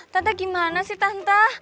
tante gimana sih tante